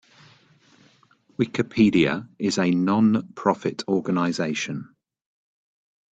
Wikipedia is a non-profit organization.